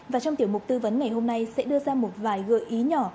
và trong tiểu mục tư vấn ngày hôm nay sẽ đưa ra một vài gợi ý nhỏ